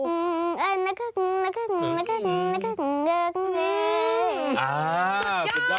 เป็นล้านวิวเลยเดี๋ยวเรามีคลิปให้คุณผู้ชมดูด้วย